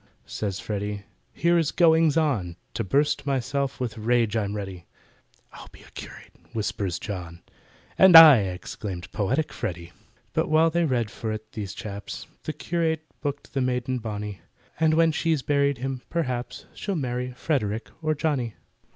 Says FREDDY, "Here is goings on! To bust myself with rage I'm ready." "I'll be a curate!" whispers JOHN— "And I," exclaimed poetic FREDDY. But while they read for it, these chaps, The curate booked the maiden bonny— And when she's buried him, perhaps, She'll marry FREDERICK or JOHNNY.